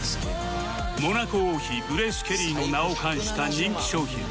モナコ王妃グレース・ケリーの名を冠した人気商品